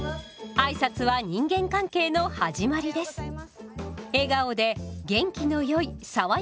あいさつは人間関係の始まりです。